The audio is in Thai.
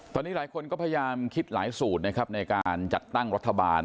ตอนนี้หลายคนก็พยายามคิดหลายสูตรนะครับในการจัดตั้งรัฐบาล